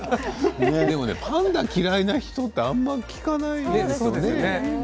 パンダを嫌いな人ってあまり聞かないですよね。